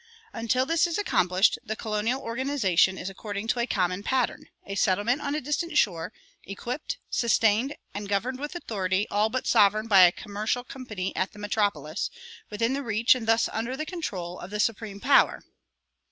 Until this is accomplished the colonial organization is according to a common pattern, a settlement on a distant shore, equipped, sustained, and governed with authority all but sovereign by a commercial company at the metropolis, within the reach, and thus under the control, of the supreme power.